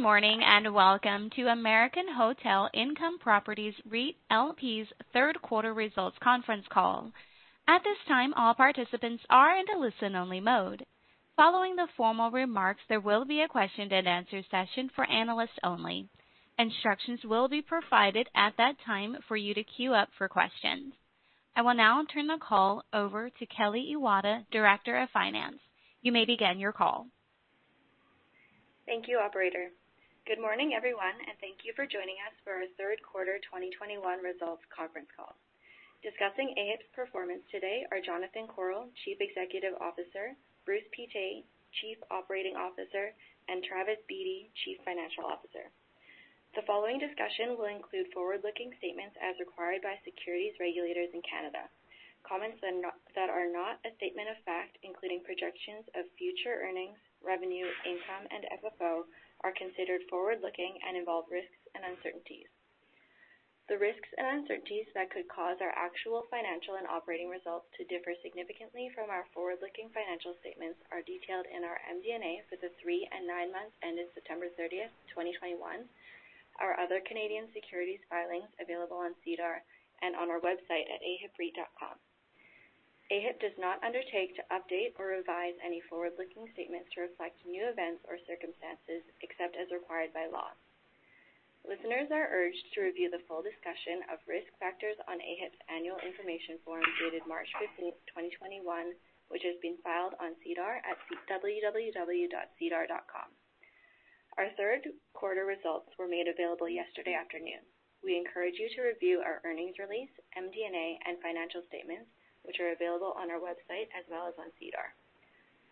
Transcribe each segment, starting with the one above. Good morning, and welcome to American Hotel Income Properties REIT LP's third quarter results conference call. At this time, all participants are in a listen-only mode. Following the formal remarks, there will be a question-and-answer session for analysts only. Instructions will be provided at that time for you to queue up for questions. I will now turn the call over to Kelly Iwata, Director of Finance. You may begin your call. Thank you, operator. Good morning, everyone, and thank you for joining us for our third quarter 2021 results conference call. Discussing AHIP's performance today are Jonathan Korol, Chief Executive Officer, Bruce Pittet, Chief Operating Officer, and Travis Beatty, Chief Financial Officer. The following discussion will include forward-looking statements as required by securities regulators in Canada. Comments that are not a statement of fact, including projections of future earnings, revenue, income, and FFO, are considered forward-looking and involve risks and uncertainties. The risks and uncertainties that could cause our actual financial and operating results to differ significantly from our forward-looking financial statements are detailed in our MD&A for the three and 9 months ending September 30, 2021, our other Canadian securities filings available on SEDAR and on our website at ahipreit.com. AHIP does not undertake to update or revise any forward-looking statements to reflect new events or circumstances except as required by law. Listeners are urged to review the full discussion of risk factors on AHIP's annual information form dated March 15, 2021, which has been filed on SEDAR at www.sedar.com. Our third quarter results were made available yesterday afternoon. We encourage you to review our earnings release, MD&A, and financial statements, which are available on our website as well as on SEDAR.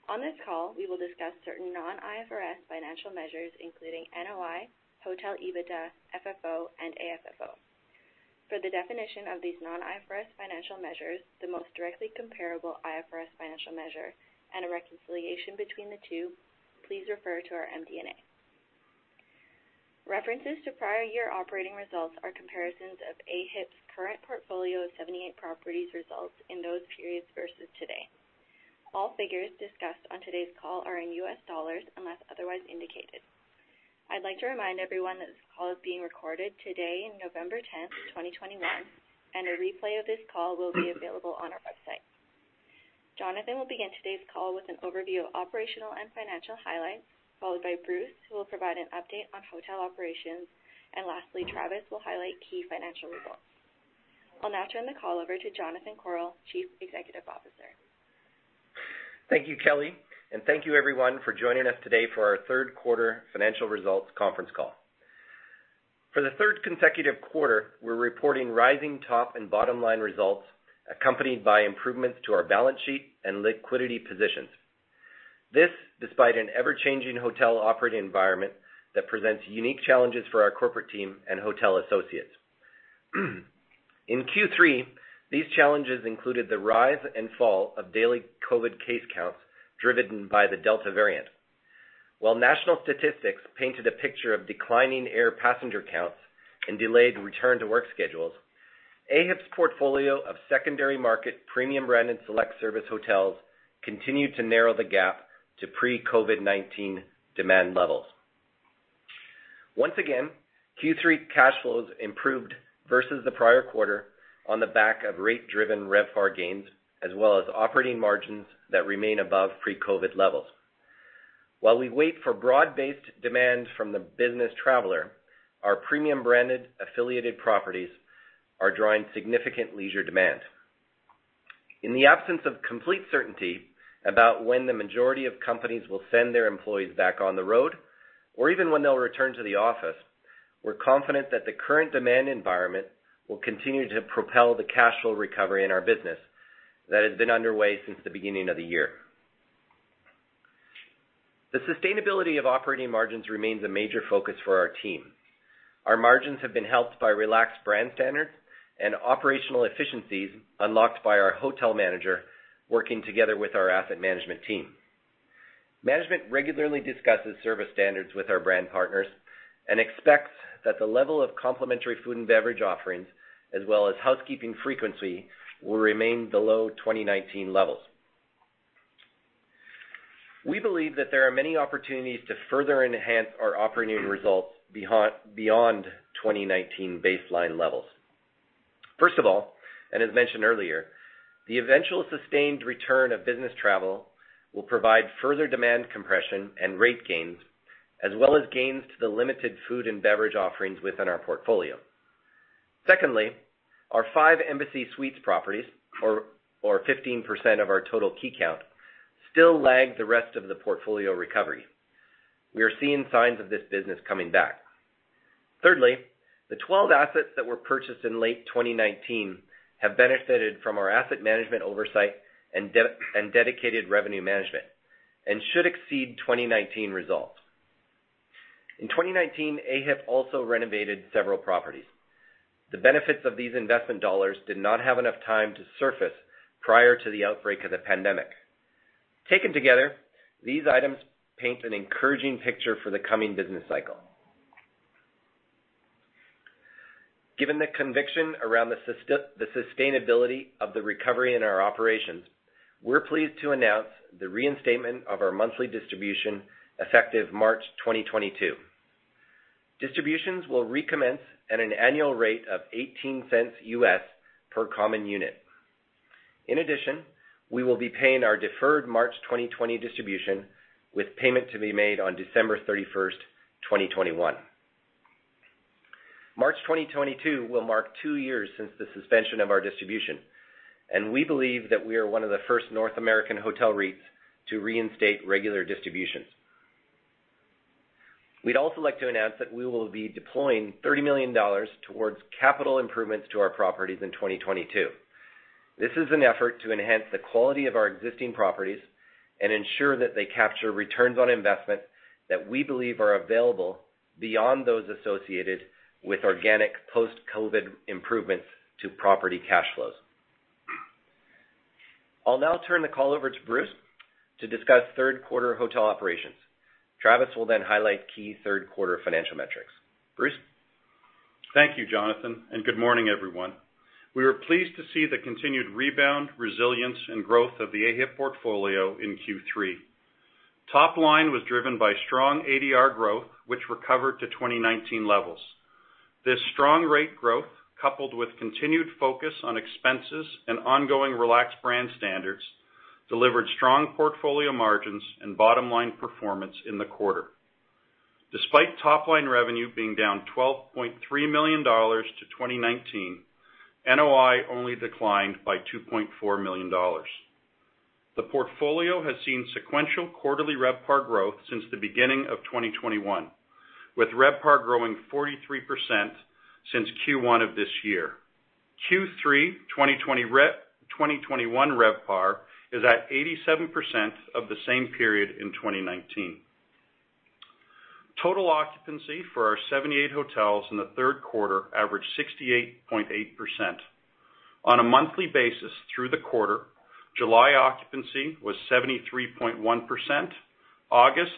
On this call, we will discuss certain non-IFRS financial measures, including NOI, hotel EBITDA, FFO, and AFFO. For the definition of these non-IFRS financial measures, the most directly comparable IFRS financial measure, and a reconciliation between the two, please refer to our MD&A. References to prior year operating results are comparisons of AHIP's current portfolio of 78 properties results in those periods versus today. All figures discussed on today's call are in U.S. dollars unless otherwise indicated. I'd like to remind everyone that this call is being recorded today, November tenth, twenty twenty-one, and a replay of this call will be available on our website. Jonathan will begin today's call with an overview of operational and financial highlights, followed by Bruce, who will provide an update on hotel operations. Lastly, Travis will highlight key financial results. I'll now turn the call over to Jonathan Korol, Chief Executive Officer. Thank you, Kelly. Thank you everyone for joining us today for our third quarter financial results conference call. For the third consecutive quarter, we're reporting rising top and bottom-line results accompanied by improvements to our balance sheet and liquidity positions. This despite an ever-changing hotel operating environment that presents unique challenges for our corporate team and hotel associates. In Q3, these challenges included the rise and fall of daily COVID case counts driven by the Delta variant. While national statistics painted a picture of declining air passenger counts and delayed return-to-work schedules, AHIP's portfolio of secondary market premium-brand and select-service hotels continued to narrow the gap to pre-COVID-19 demand levels. Once again, Q3 cash flows improved versus the prior quarter on the back of rate-driven RevPAR gains, as well as operating margins that remain above pre-COVID levels. While we wait for broad-based demand from the business traveler, our premium branded affiliated properties are drawing significant leisure demand. In the absence of complete certainty about when the majority of companies will send their employees back on the road or even when they'll return to the office, we're confident that the current demand environment will continue to propel the cash flow recovery in our business that has been underway since the beginning of the year. The sustainability of operating margins remains a major focus for our team. Our margins have been helped by relaxed brand standards and operational efficiencies unlocked by our hotel manager working together with our asset management team. Management regularly discusses service standards with our brand partners and expects that the level of complementary food and beverage offerings, as well as housekeeping frequency, will remain below 2019 levels. We believe that there are many opportunities to further enhance our operating results beyond 2019 baseline levels. First of all, as mentioned earlier, the eventual sustained return of business travel will provide further demand compression and rate gains, as well as gains to the limited food and beverage offerings within our portfolio. Secondly, our five Embassy Suites properties, or 15% of our total key count, still lag the rest of the portfolio recovery. We are seeing signs of this business coming back. Thirdly, the 12 assets that were purchased in late 2019 have benefited from our asset management oversight and dedicated revenue management and should exceed 2019 results. In 2019, AHIP also renovated several properties. The benefits of these investment dollars did not have enough time to surface prior to the outbreak of the pandemic. Taken together, these items paint an encouraging picture for the coming business cycle. Given the conviction around the sustainability of the recovery in our operations, we're pleased to announce the reinstatement of our monthly distribution effective March 2022. Distributions will recommence at an annual rate of $0.18 per common unit. In addition, we will be paying our deferred March 2020 distribution, with payment to be made on December 31, 2021. March 2022 will mark two years since the suspension of our distribution, and we believe that we are one of the first North American hotel REITs to reinstate regular distributions. We'd also like to announce that we will be deploying $30 million towards capital improvements to our properties in 2022. This is an effort to enhance the quality of our existing properties and ensure that they capture returns on investment that we believe are available beyond those associated with organic post-COVID improvements to property cash flows. I'll now turn the call over to Bruce to discuss third quarter hotel operations. Travis will then highlight key third quarter financial metrics. Bruce? Thank you, Jonathan, and good morning, everyone. We were pleased to see the continued rebound, resilience, and growth of the AHIP portfolio in Q3. Top line was driven by strong ADR growth, which recovered to 2019 levels. This strong rate growth, coupled with continued focus on expenses and ongoing relaxed brand standards, delivered strong portfolio margins and bottom-line performance in the quarter. Despite top-line revenue being down $12.3 million-2019, NOI only declined by $2.4 million. The portfolio has seen sequential quarterly RevPAR growth since the beginning of 2021, with RevPAR growing 43% since Q1 of this year. Q3 2021 RevPAR is at 87% of the same period in 2019. Total occupancy for our 78 hotels in the third quarter averaged 68.8%. On a monthly basis through the quarter, July occupancy was 73.1%, August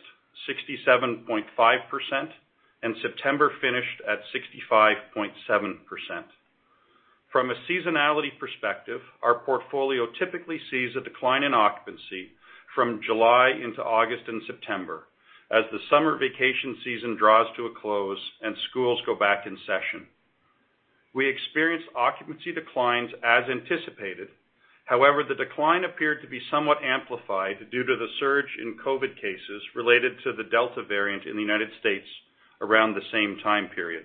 67.5%, and September finished at 65.7%. From a seasonality perspective, our portfolio typically sees a decline in occupancy from July into August and September as the summer vacation season draws to a close and schools go back in session. We experienced occupancy declines as anticipated. However, the decline appeared to be somewhat amplified due to the surge in COVID cases related to the Delta variant in the U.S. around the same time period.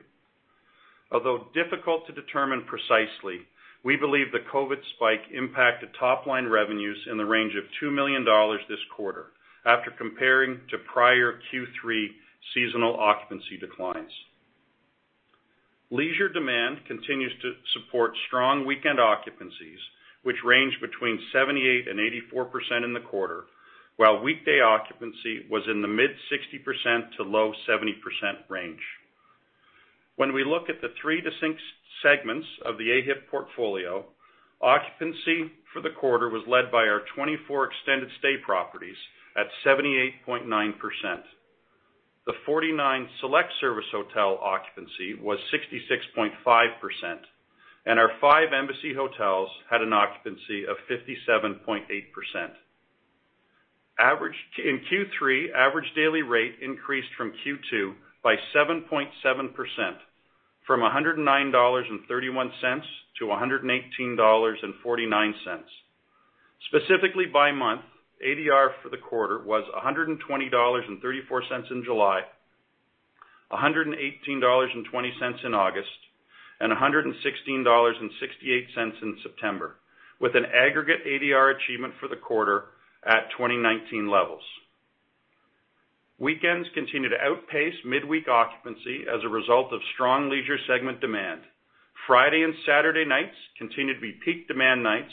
Although difficult to determine precisely, we believe the COVID spike impacted top-line revenues in the range of $2 million this quarter after comparing to prior Q3 seasonal occupancy declines. Leisure demand continues to support strong weekend occupancies, which range between 78%-84% in the quarter, while weekday occupancy was in the mid-60% to low 70% range. When we look at the three distinct segments of the AHIP portfolio, occupancy for the quarter was led by our 24 extended stay properties at 78.9%. The 49 select-service hotel occupancy was 66.5%, and our five Embassy Suites had an occupancy of 57.8%. In Q3, average daily rate increased from Q2 by 7.7% from $109.31 to $118.49. Specifically by month, ADR for the quarter was $120.34 in July, $118.20 in August, and $116.68 in September, with an aggregate ADR achievement for the quarter at 2019 levels. Weekends continue to outpace midweek occupancy as a result of strong leisure segment demand. Friday and Saturday nights continue to be peak demand nights,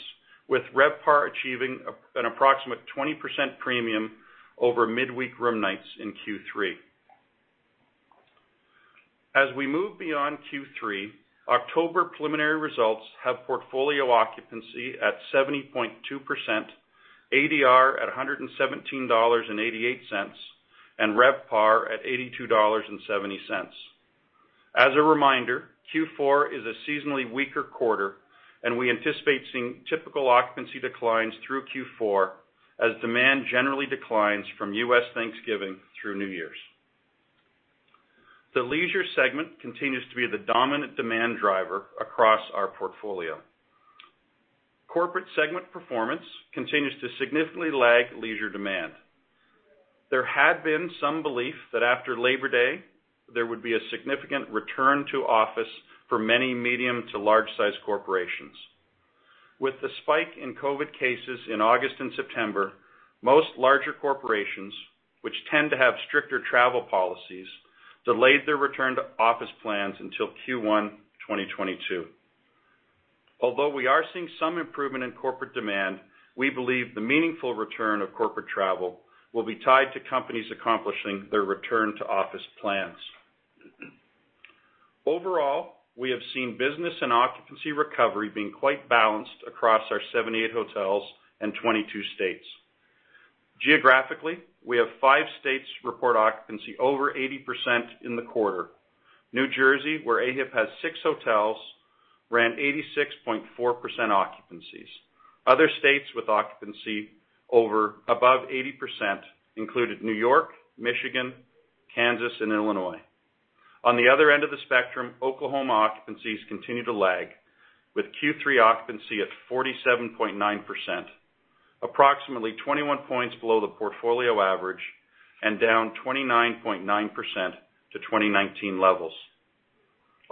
with RevPAR achieving an approximate 20% premium over midweek room nights in Q3. As we move beyond Q3, October preliminary results have portfolio occupancy at 70.2%, ADR at $117.88, and RevPAR at $82.70. As a reminder, Q4 is a seasonally weaker quarter, and we anticipate seeing typical occupancy declines through Q4 as demand generally declines from U.S. Thanksgiving through New Year's. The leisure segment continues to be the dominant demand driver across our portfolio. Corporate segment performance continues to significantly lag leisure demand. There had been some belief that after Labor Day, there would be a significant return to office for many medium to large-sized corporations. With the spike in COVID cases in August and September, most larger corporations, which tend to have stricter travel policies, delayed their return to office plans until Q1, 2022. Although we are seeing some improvement in corporate demand, we believe the meaningful return of corporate travel will be tied to companies accomplishing their return to office plans. Overall, we have seen business and occupancy recovery being quite balanced across our 78 hotels and 22 states. Geographically, we have five states reporting occupancy over 80% in the quarter. New Jersey, where AHIP has six hotels, ran 86.4% occupancies. Other states with occupancy over 80% included New York, Michigan, Kansas, and Illinois. On the other end of the spectrum, Oklahoma occupancies continue to lag, with Q3 occupancy at 47.9%, approximately 21 points below the portfolio average and down 29.9% to 2019 levels.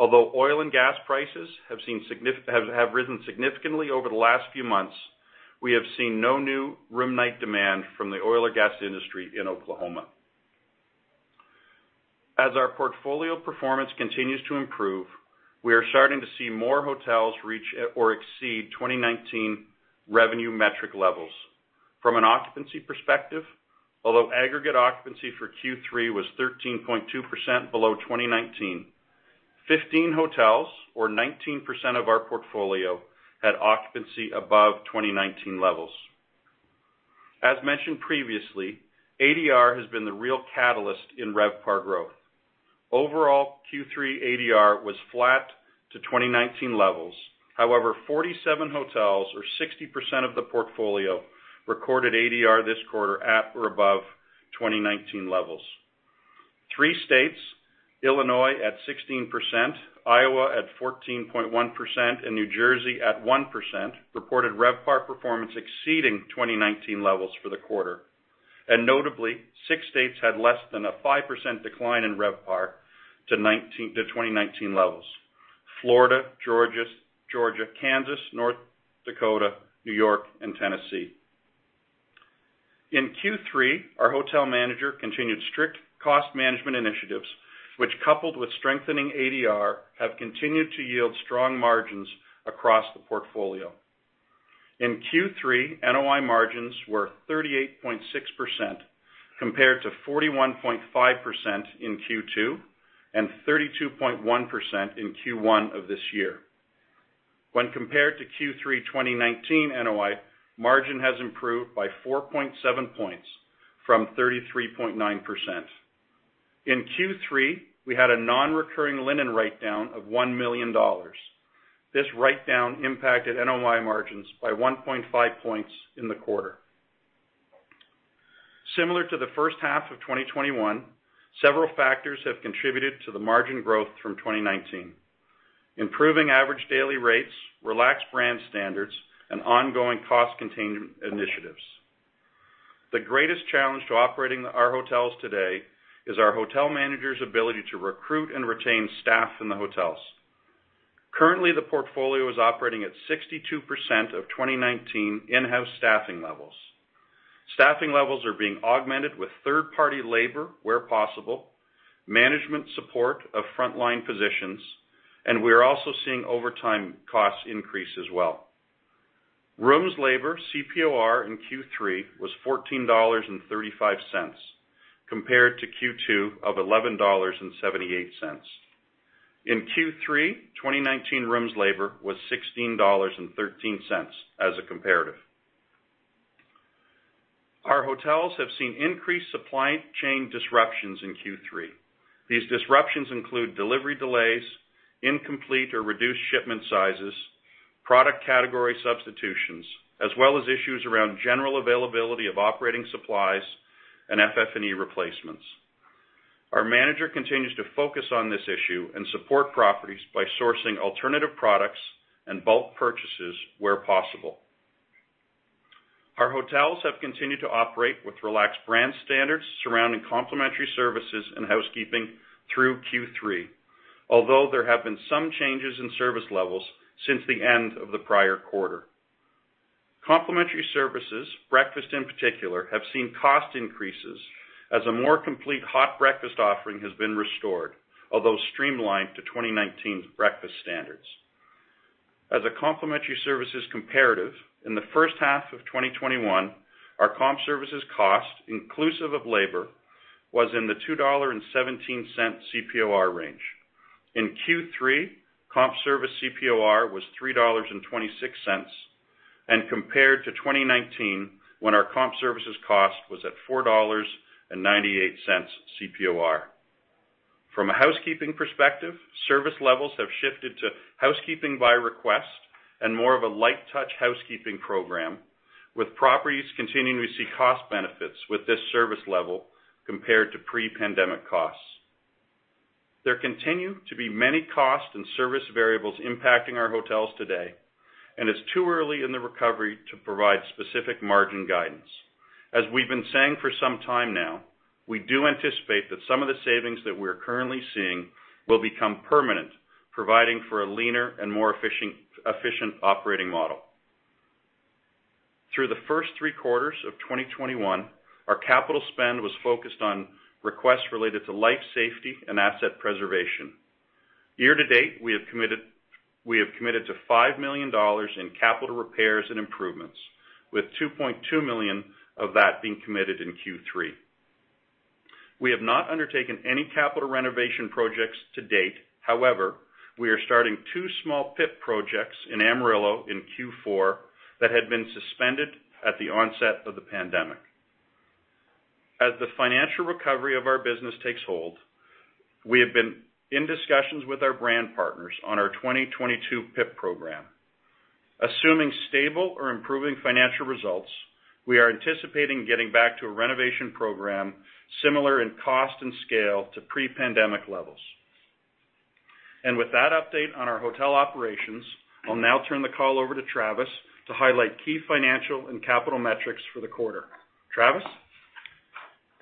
Although oil and gas prices have risen significantly over the last few months, we have seen no new room night demand from the oil or gas industry in Oklahoma. As our portfolio performance continues to improve, we are starting to see more hotels reach or exceed 2019 revenue metric levels. From an occupancy perspective, although aggregate occupancy for Q3 was 13.2% below 2019, 15 hotels or 19% of our portfolio had occupancy above 2019 levels. As mentioned previously, ADR has been the real catalyst in RevPAR growth. Overall, Q3 ADR was flat to 2019 levels. However, 47 hotels or 60% of the portfolio recorded ADR this quarter at or above 2019 levels. Three states, Illinois at 16%, Iowa at 14.1%, and New Jersey at 1%, reported RevPAR performance exceeding 2019 levels for the quarter. Notably, six states had less than a 5% decline in RevPAR to 2019 levels. Florida, Georgia, Kansas, North Dakota, New York, and Tennessee. In Q3, our hotel manager continued strict cost management initiatives, which, coupled with strengthening ADR, have continued to yield strong margins across the portfolio. In Q3, NOI margins were 38.6% compared to 41.5% in Q2 and 32.1% in Q1 of this year. When compared to Q3 2019 NOI margin, it has improved by 4.7 points from 33.9%. In Q3, we had a non-recurring linen write-down of $1 million. This write-down impacted NOI margins by 1.5 points in the quarter. Similar to the first half of 2021, several factors have contributed to the margin growth from 2019, improving average daily rates, relaxed brand standards, and ongoing cost containment initiatives. The greatest challenge to operating our hotels today is our hotel manager's ability to recruit and retain staff in the hotels. Currently, the portfolio is operating at 62% of 2019 in-house staffing levels. Staffing levels are being augmented with third-party labor where possible, management support of frontline positions, and we are also seeing overtime costs increase as well. Rooms labor CPOR in Q3 was $14.35, compared to Q2 of $11.78. In Q3 2019 rooms labor was $16.13 as a comparative. Our hotels have seen increased supply chain disruptions in Q3. These disruptions include delivery delays, incomplete or reduced shipment sizes, product category substitutions, as well as issues around general availability of operating supplies and FF&E replacements. Our manager continues to focus on this issue and support properties by sourcing alternative products and bulk purchases where possible. Our hotels have continued to operate with relaxed brand standards surrounding complimentary services and housekeeping through Q3, although there have been some changes in service levels since the end of the prior quarter. Complimentary services, breakfast in particular, have seen cost increases as a more complete hot breakfast offering has been restored, although streamlined to 2019's breakfast standards. As a complimentary services comparative, in the first half of 2021, our comp services cost, inclusive of labor, was in the $2.17 CPOR range. In Q3, comp service CPOR was $3.26, and compared to 2019, when our comp services cost was at $4.98 CPOR. From a housekeeping perspective, service levels have shifted to housekeeping by request and more of a light touch housekeeping program, with properties continuing to see cost benefits with this service level compared to pre-pandemic costs. There continue to be many cost and service variables impacting our hotels today, and it's too early in the recovery to provide specific margin guidance. As we've been saying for some time now, we do anticipate that some of the savings that we are currently seeing will become permanent, providing for a leaner and more efficient operating model. Through the first three quarters of 2021, our capital spend was focused on requests related to life safety and asset preservation. Year to date, we have committed to $5 million in capital repairs and improvements, with 2.2 million of that being committed in Q3. We have not undertaken any capital renovation projects to date. However, we are starting two small PIP projects in Amarillo in Q4 that had been suspended at the onset of the pandemic. As the financial recovery of our business takes hold, we have been in discussions with our brand partners on our 2022 PIP program. Assuming stable or improving financial results, we are anticipating getting back to a renovation program similar in cost and scale to pre-pandemic levels. With that update on our hotel operations, I'll now turn the call over to Travis to highlight key financial and capital metrics for the quarter. Travis.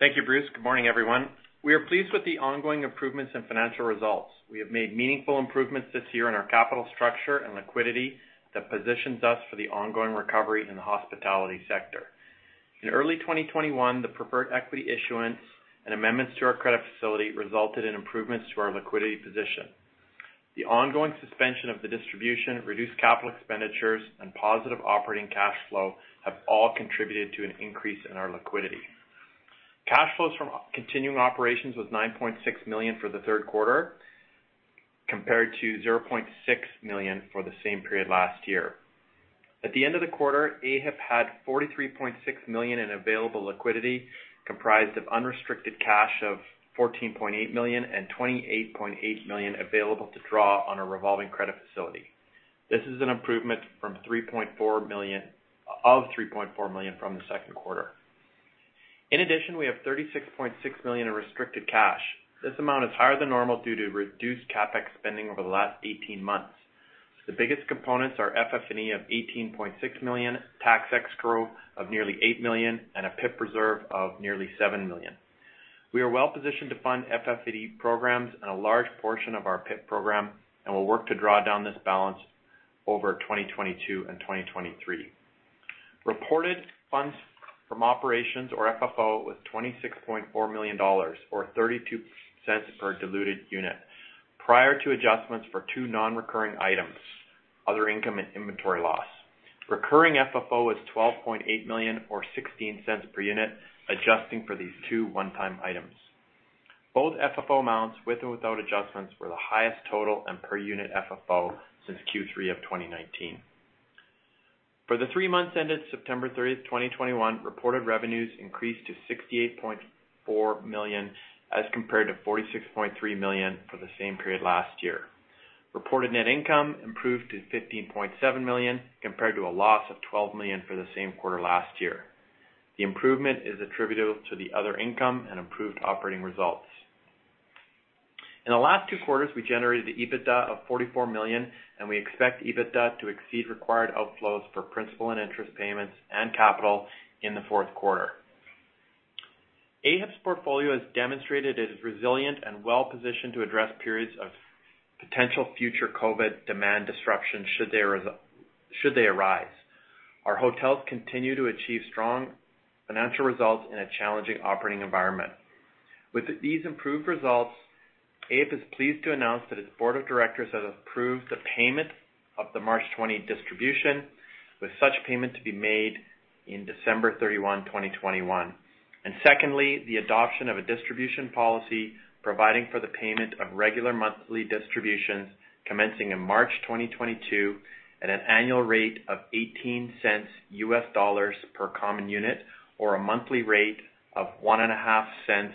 Thank you, Bruce. Good morning, everyone. We are pleased with the ongoing improvements in financial results. We have made meaningful improvements this year in our capital structure and liquidity that positions us for the ongoing recovery in the hospitality sector. In early 2021, the preferred equity issuance and amendments to our credit facility resulted in improvements to our liquidity position. The ongoing suspension of the distribution, reduced capital expenditures, and positive operating cash flow have all contributed to an increase in our liquidity. Cash flows from continuing operations was 9.6 million for the third quarter, compared to 0.6 million for the same period last year. At the end of the quarter, AHIP had 43.6 million in available liquidity, comprised of unrestricted cash of 14.8 million and 28.8 million available to draw on a revolving credit facility. This is an improvement from 3.4 million from the second quarter. In addition, we have 36.6 million in restricted cash. This amount is higher than normal due to reduced CapEx spending over the last 18 months. The biggest components are FF&E of 18.6 million, tax escrow of nearly eight million, and a PIP reserve of nearly seve million. We are well-positioned to fund FF&E programs and a large portion of our PIP program, and we'll work to draw down this balance over 2022 and 2023. Reported funds from operations, or FFO, was $26.4 million, or $0.32 per diluted unit, prior to adjustments for two non-recurring items, other income and inventory loss. Recurring FFO was 12.8 million or $0.16 per unit, adjusting for these two one-time items. Both FFO amounts, with or without adjustments, were the highest total in per unit FFO since Q3 of 2019. For the three months ended September 30, 2021, reported revenues increased to 68.4 million, as compared to 46.3 million for the same period last year. Reported net income improved to $15.7 million, compared to a loss of 12 million for the same quarter last year. The improvement is attributable to the other income and improved operating results. In the last two quarters, we generated an EBITDA of 44 million, and we expect EBITDA to exceed required outflows for principal and interest payments and capital in the fourth quarter. AHIP's portfolio has demonstrated it is resilient and well-positioned to address periods of potential future COVID demand disruption should they arise. Our hotels continue to achieve strong financial results in a challenging operating environment. With these improved results, AHIP is pleased to announce that its board of directors has approved the payment of the March 2020 distribution, with such payment to be made on December 31, 2021. Secondly, the adoption of a distribution policy providing for the payment of regular monthly distributions commencing in March 2022 at an annual rate of 0.18 per common unit, or a monthly rate of 0.015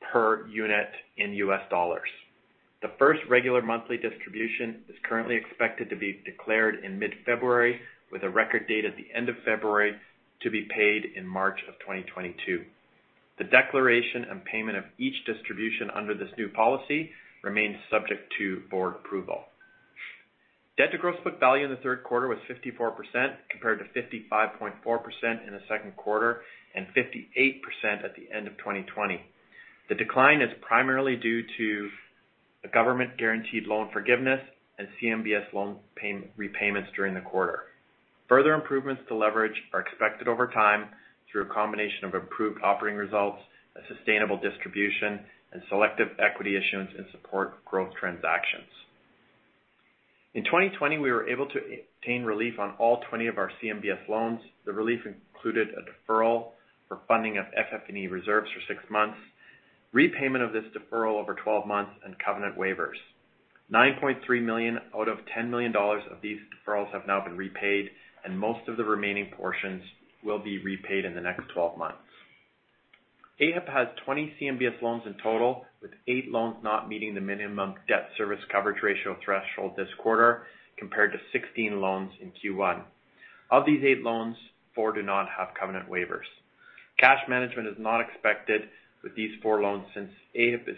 per unit in U.S. dollars. The first regular monthly distribution is currently expected to be declared in mid-February, with a record date at the end of February to be paid in March 2022. The declaration and payment of each distribution under this new policy remains subject to board approval. Debt to gross book value in the third quarter was 54%, compared to 55.4% in the second quarter and 58% at the end of 2020. The decline is primarily due to the government-guaranteed loan forgiveness and CMBS loan repayments during the quarter. Further improvements to leverage are expected over time through a combination of improved operating results, a sustainable distribution, and selective equity issuance in support of growth transactions. In 2020, we were able to obtain relief on all 20 of our CMBS loans. The relief included a deferral for funding of FF&E reserves for 6 months, repayment of this deferral over 12 months, and covenant waivers. 9.3 million out of $10 million of these deferrals have now been repaid, and most of the remaining portions will be repaid in the next 12 months. AHIP has 20 CMBS loans in total, with eight loans not meeting the minimum debt service coverage ratio threshold this quarter, compared to 16 loans in Q1. Of these eight loans, four do not have covenant waivers. Cash management is not expected with these four loans since AHIP is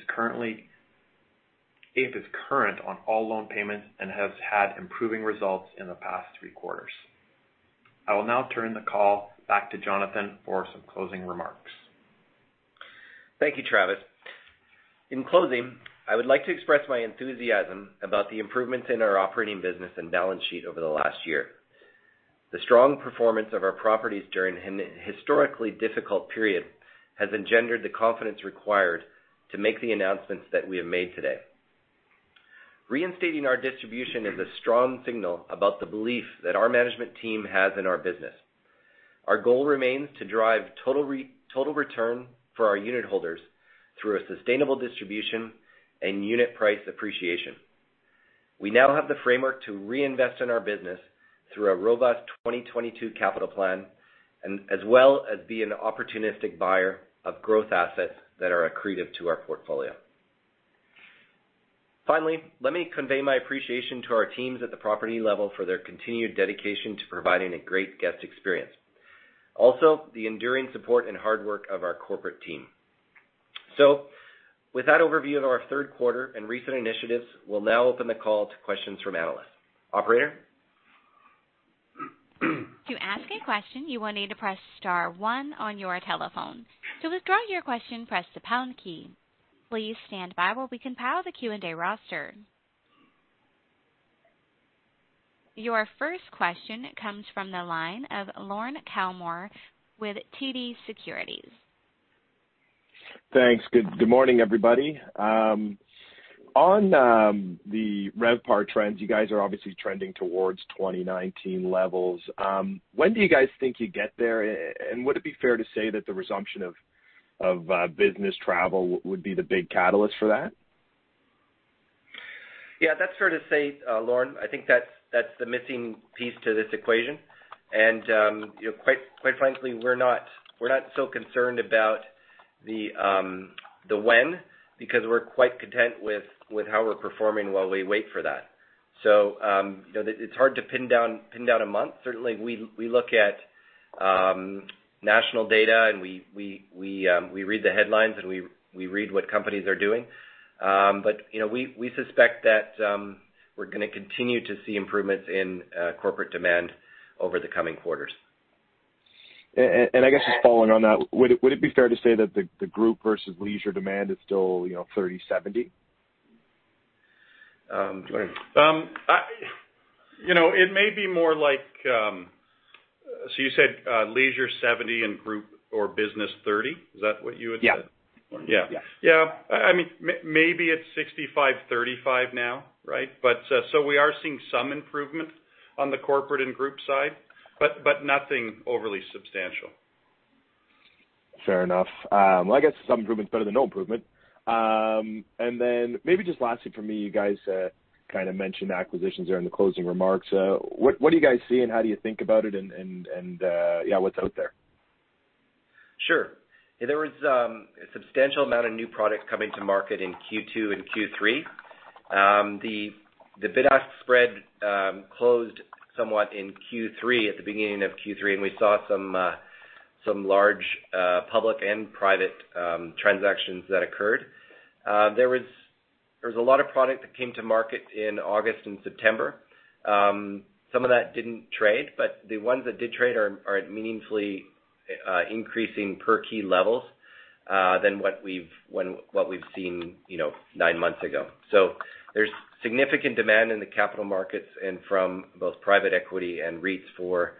current on all loan payments and has had improving results in the past three quarters. I will now turn the call back to Jonathan for some closing remarks. Thank you, Travis. In closing, I would like to express my enthusiasm about the improvements in our operating business and balance sheet over the last year. The strong performance of our properties during an historically difficult period has engendered the confidence required to make the announcements that we have made today. Reinstating our distribution is a strong signal about the belief that our management team has in our business. Our goal remains to drive total return for our unit holders through a sustainable distribution and unit price appreciation. We now have the framework to reinvest in our business through a robust 2022 capital plan, and as well as be an opportunistic buyer of growth assets that are accretive to our portfolio. Finally, let me convey my appreciation to our teams at the property level for their continued dedication to providing a great guest experience. Also, the enduring support and hard work of our corporate team. With that overview of our third quarter and recent initiatives, we'll now open the call to questions from analysts. Operator? Your first question comes from the line of Lorne Kalmar with TD Securities. Thanks. Good morning, everybody. On the RevPAR trends, you guys are obviously trending towards 2019 levels. When do you guys think you get there? Would it be fair to say that the resumption of business travel would be the big catalyst for that? Yeah, that's fair to say, Lorne. I think that's the missing piece to this equation. You know, quite frankly, we're not so concerned about the when, because we're quite content with how we're performing while we wait for that. You know, it's hard to pin down a month. Certainly we look at national data, and we read the headlines, and we read what companies are doing. You know, we suspect that we're gonna continue to see improvements in corporate demand over the coming quarters. I guess just following on that, would it be fair to say that the group versus leisure demand is still, you know, 30/70? Um. You know, it may be more like you said, leisure 70% and group or business 30%. Is that what you had said? Yeah. Yeah. Yeah. Yeah. I mean, maybe it's 65-35 now, right? We are seeing some improvement on the corporate and group side, but nothing overly substantial. Fair enough. Well, I guess some improvement is better than no improvement. Maybe just lastly from me, you guys kind of mentioned acquisitions there in the closing remarks. What do you guys see and how do you think about it and, yeah, what's out there? Sure. There was a substantial amount of new product coming to market in Q2 and Q3. The bid-ask spread closed somewhat in Q3 at the beginning of Q3, and we saw some large public and private transactions that occurred. There was a lot of product that came to market in August and September. Some of that didn't trade, but the ones that did trade are at meaningfully increasing per key levels than what we've seen, you know, nine months ago. There's significant demand in the capital markets and from both private equity and REITs for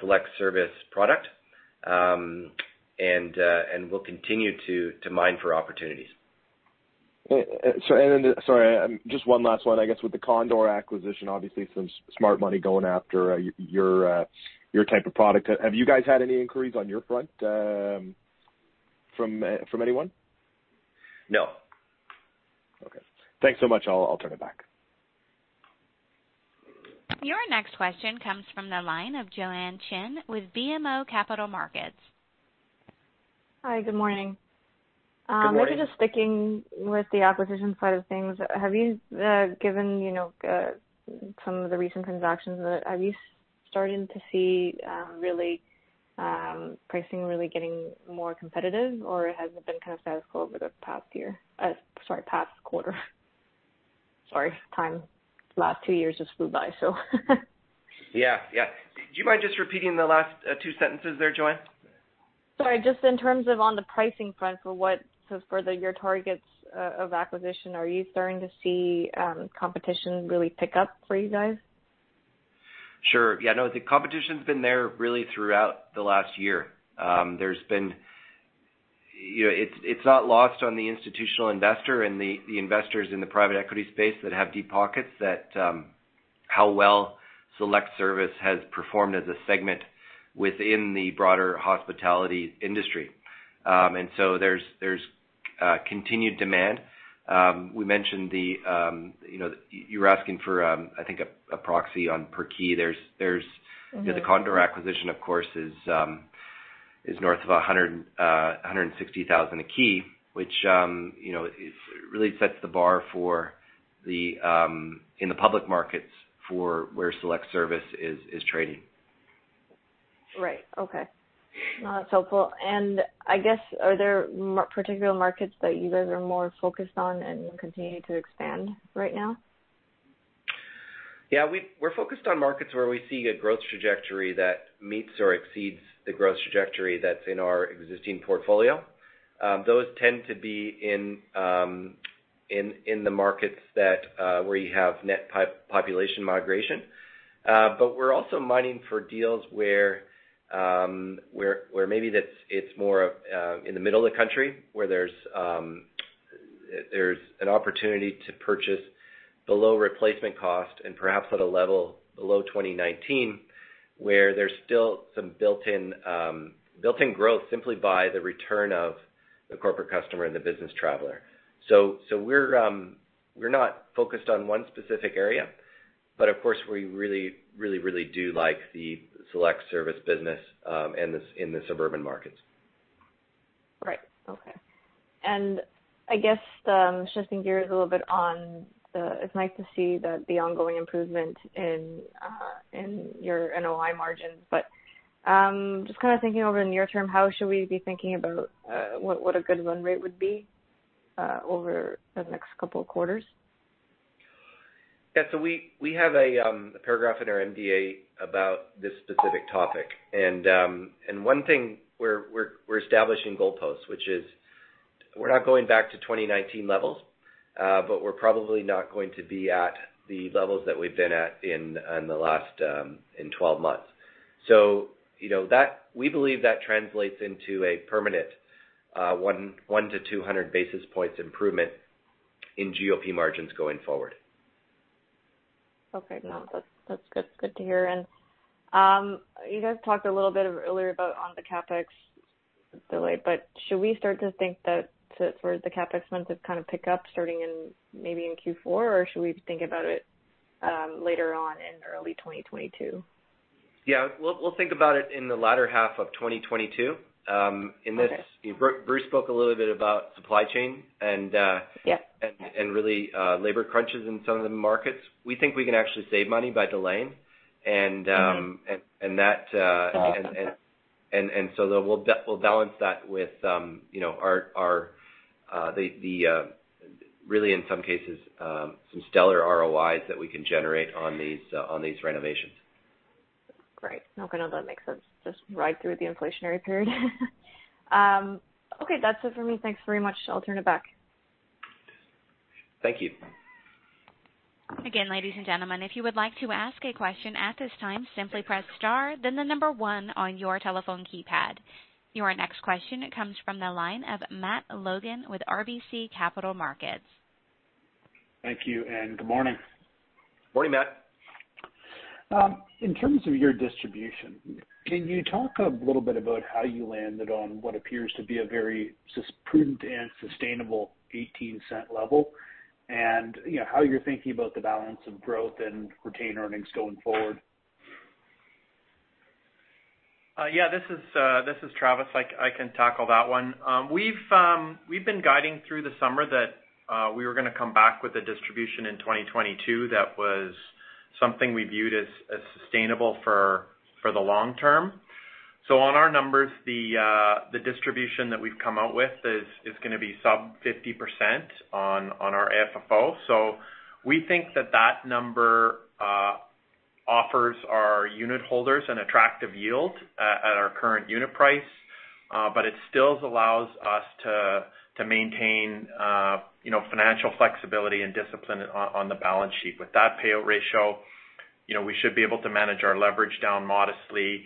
select service product. We'll continue to mine for opportunities. Sorry, just one last one, I guess, with the Condor acquisition, obviously some smart money going after your type of product. Have you guys had any inquiries on your front from anyone? No. Okay. Thanks so much. I'll turn it back. Your next question comes from the line of Joanne Chen with BMO Capital Markets. Hi, good morning. Good morning. Maybe just sticking with the acquisition side of things. Have you given some of the recent transactions, have you started to see really pricing really getting more competitive, or has it been kind of status quo over the past year? Past quarter. The last two years just flew by, so. Yeah. Do you mind just repeating the last two sentences there, Joanne? Sorry. Just in terms of on the pricing front, your targets of acquisition, are you starting to see competition really pick up for you guys? Sure. Yeah, no, the competition's been there really throughout the last year. You know, it's not lost on the institutional investor and the investors in the private equity space that have deep pockets that how well select service has performed as a segment within the broader hospitality industry. There's continued demand. We mentioned, you know, you were asking for, I think a proxy on per key. There's Mm-hmm. You know, the Condor acquisition, of course, is north of $160,000 a key, which, you know, it really sets the bar for in the public markets for where select-service is trading. Right. Okay. No, that's helpful. I guess, are there any particular markets that you guys are more focused on and continue to expand right now? Yeah. We're focused on markets where we see a growth trajectory that meets or exceeds the growth trajectory that's in our existing portfolio. Those tend to be in the markets that where you have net population migration. But we're also mining for deals where maybe it's more of in the middle of the country where there's an opportunity to purchase below replacement cost and perhaps at a level below 2019, where there's still some built-in growth simply by the return of the corporate customer and the business traveler. We're not focusced on one specific area, but of course, we really do like the select service business in the suburban markets. Right. Okay. I guess, shifting gears a little bit. It's nice to see that the ongoing improvement in your NOI margins. Just kind of thinking over the near term, how should we be thinking about what a good run rate would be over the next couple of quarters? Yeah. We have a paragraph in our MD&A about this specific topic. One thing we're establishing goalposts, which is we're not going back to 2019 levels, but we're probably not going to be at the levels that we've been at in the last 12 months. You know, that we believe that translates into a permanent 100-200 basis points improvement in GOP margins going forward. Okay. No, that's good to hear. You guys talked a little bit earlier about the CapEx delay, but should we start to think that for the CapEx spend to kind of pick up starting maybe in Q4, or should we think about it later on in early 2022? Yeah. We'll think about it in the latter half of 2022. Okay. Bruce spoke a little bit about supply chain and. Yeah... and really labor crunches in some of the markets. We think we can actually save money by delaying. Mm-hmm... and, and that, uh- Okay. We'll balance that with, you know, our the really in some cases some stellar ROIs that we can generate on these renovations. Great. Okay. No, that makes sense. Just ride through the inflationary period. Okay. That's it for me. Thanks very much. I'll turn it back. Thank you. Again, ladies and gentlemen, if you would like to ask a question at this time, simply press star, then the number one on your telephone keypad. Your next question comes from the line of Matt Logan with RBC Capital Markets. Thank you, and good morning. Morning, Matt. In terms of your distribution, can you talk a little bit about how you landed on what appears to be a very prudent and sustainable 0.18 level? You know, how you're thinking about the balance of growth and retained earnings going forward? This is Travis. I can tackle that one. We've been guiding through the summer that we were gonna come back with a distribution in 2022 that was something we viewed as sustainable for the long term. On our numbers, the distribution that we've come out with is gonna be sub 50% on our AFFO. We think that number offers our unit holders an attractive yield at our current unit price. It still allows us to maintain, you know, financial flexibility and discipline on the balance sheet. With that payout ratio, you know, we should be able to manage our leverage down modestly,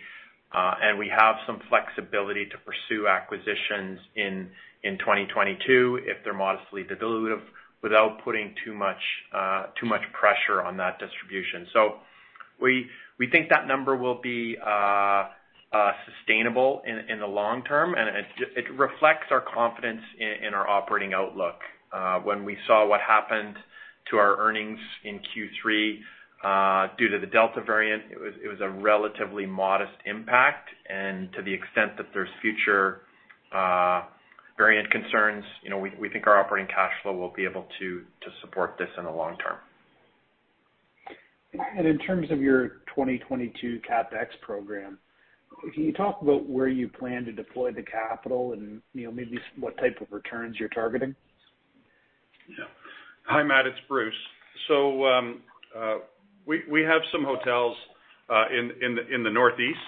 and we have some flexibility to pursue acquisitions in 2022 if they're modestly dilutive without putting too much pressure on that distribution. We think that number will be sustainable in the long term, and it reflects our confidence in our operating outlook. When we saw what happened to our earnings in Q3 due to the Delta variant, it was a relatively modest impact. To the extent that there's future variant concerns, you know, we think our operating cash flow will be able to support this in the long term. In terms of your 2022 CapEx program, can you talk about where you plan to deploy the capital and, you know, maybe what type of returns you're targeting? Yeah. Hi, Matt. It's Bruce. We have some hotels in the Northeast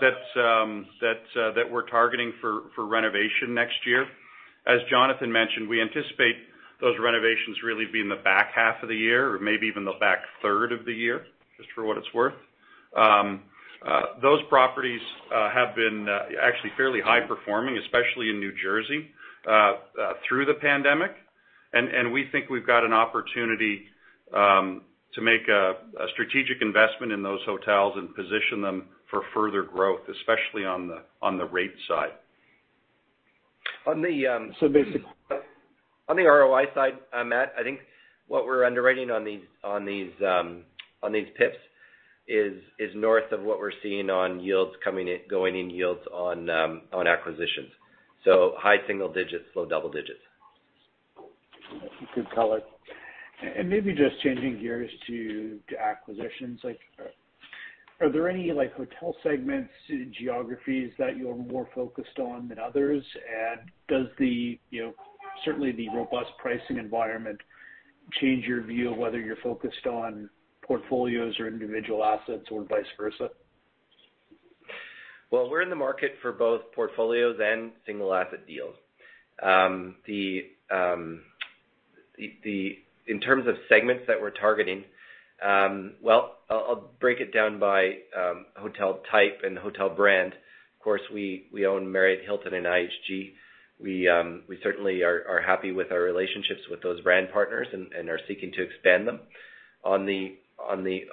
that we're targeting for renovation next year. As Jonathan mentioned, we anticipate those renovations really be in the back half of the year or maybe even the back third of the year, just for what it's worth. Those properties have been actually fairly high performing, especially in New Jersey through the pandemic. We think we've got an opportunity to make a strategic investment in those hotels and position them for further growth, especially on the rate side. On the, um- Basically. On the ROI side, Matt, I think what we're underwriting on these PIPs is north of what we're seeing on going in yields on acquisitions. High single digits, low double digits. Good color. Maybe just changing gears to acquisitions. Like, are there any, like, hotel segments, geographies that you're more focused on than others? Does the, you know, certainly the robust pricing environment change your view of whether you're focused on portfolios or individual assets or vice versa? Well, we're in the market for both portfolios and single asset deals. In terms of segments that we're targeting, well, I'll break it down by hotel type and hotel brand. Of course, we own Marriott, Hilton, and IHG. We certainly are happy with our relationships with those brand partners and are seeking to expand them. On the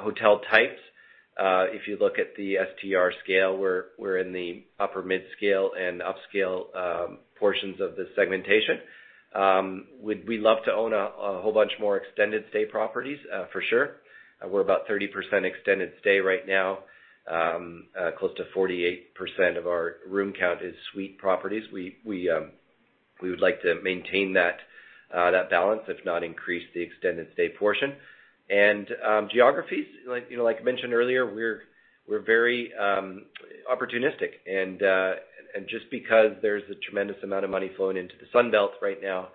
hotel types, if you look at the STR scale, we're in the upper mid-scale and upscale portions of the segmentation. We'd love to own a whole bunch more extended stay properties, for sure. We're about 30% extended stay right now. Close to 48% of our room count is suite properties. We would like to maintain that balance, if not increase the extended stay portion. Geographies, like, you know, like I mentioned earlier, we're very opportunistic. Just because there's a tremendous amount of money flowing into the Sun Belt right now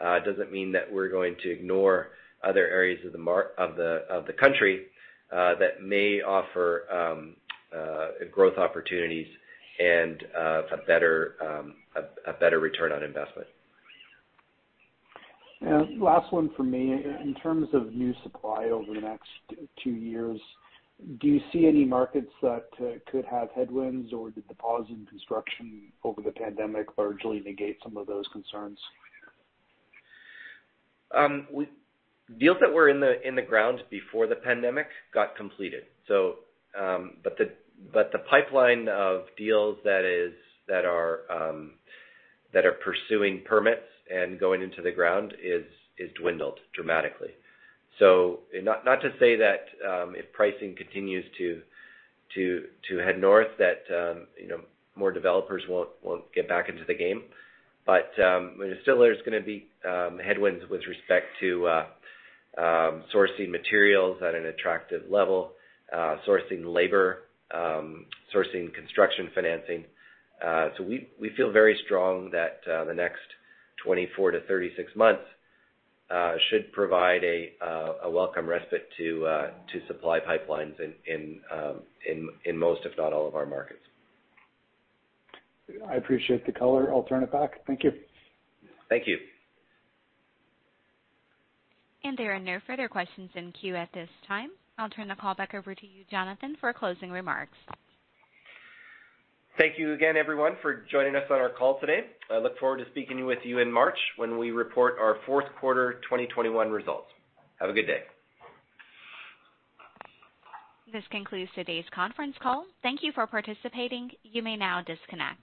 doesn't mean that we're going to ignore other areas of the country that may offer growth opportunities and a better return on investment. Last one for me. In terms of new supply over the next two years, do you see any markets that could have headwinds, or did the pause in construction over the pandemic largely negate some of those concerns? Deals that were in the ground before the pandemic got completed. The pipeline of deals that are pursuing permits and going into the ground is dwindled dramatically. Not to say that if pricing continues to head north, you know, more developers won't get back into the game. Still there's gonna be headwinds with respect to sourcing materials at an attractive level, sourcing labor, sourcing construction financing. We feel very strong that the next 24-36 months should provide a welcome respite to supply pipelines in most, if not all, of our markets. I appreciate the color. I'll turn it back. Thank you. Thank you. There are no further questions in queue at this time. I'll turn the call back over to you, Jonathan, for closing remarks. Thank you again, everyone, for joining us on our call today. I look forward to speaking with you in March when we report our fourth quarter 2021 results. Have a good day. This concludes today's conference call. Thank you for participating. You may now disconnect.